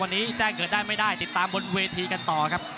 วันนี้แจ้งเกิดได้ไม่ได้ติดตามบนเวทีกันต่อครับ